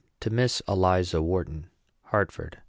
TO MISS ELIZA WHARTON. HARTFORD.